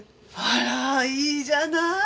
あらいいじゃない？